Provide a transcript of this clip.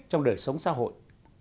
trong đời sống xã hội